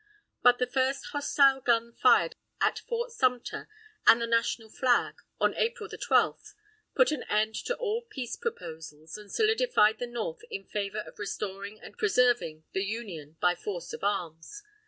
But the first hostile gun fired at Fort Sumter and the National flag, on April 12, put an end to all peace proposals, and solidified the North in favor of restoring and preserving the Union by force of arms.